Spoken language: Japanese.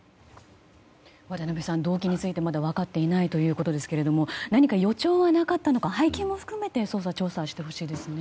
渡辺さん、動機についてまだ分かっていないということですけれども何か予兆はなかったのか背景も含めて操作、調査してほしいですね。